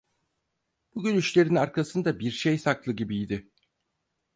Bu gülüşlerin arkasında bir şey saklı gibiydi.